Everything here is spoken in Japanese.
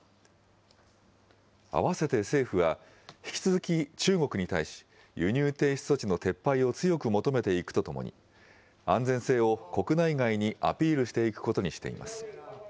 あわせて政府は、引き続き中国に対し、輸入停止措置の撤廃を強く求めていくとともに、安全性を国内外にアピールしていくことにしています。